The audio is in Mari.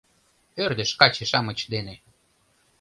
Ӧрдыж каче-шамыч дене